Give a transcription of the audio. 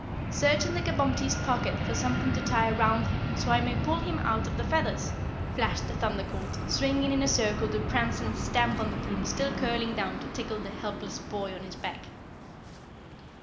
"Search in the Kabumpty's pocket for something to tie round him so I may pull him out of the feathers," flashed the Thunder Colt, swinging in a circle to prance and stamp on the plumes still curling down to tickle the helpless boy on his back.